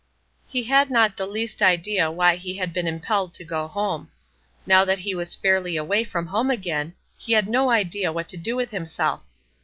He had not the least idea why he had been impelled to go home. Now that he was fairly away from home again, he had no idea what to do with himself.